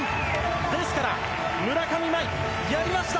ですから村上茉愛、やりました！